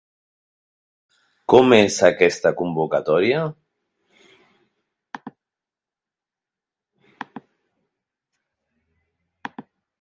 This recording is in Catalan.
Com és aquesta convocatòria?